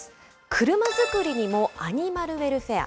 車づくりにもアニマルウェルフェア。